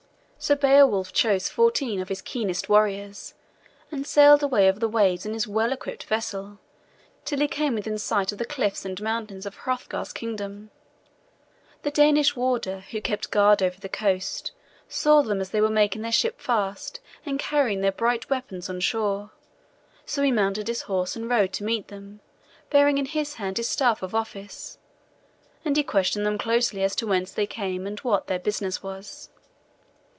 So Beowulf chose fourteen of his keenest warriors, and sailed away over the waves in his well equipped vessel, till he came within sight of the cliffs and mountains of Hrothgar's kingdom. The Danish warder, who kept guard over the coast, saw them as they were making their ship fast and carrying their bright weapons on shore. So he mounted his horse and rode to meet them, bearing in his hand his staff of office; and he questioned them closely as to whence they came and what their business was.